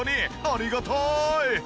ありがたーい！